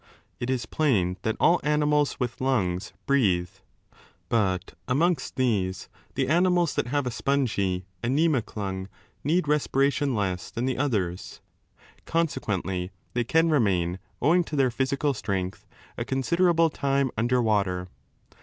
It is plain that all animals with lungs breatha But amongst these, the animals that have a spongy, anaemic lung need respiration less than the others. Consequently they can remain, owing to their physical strength, a considerable time under water.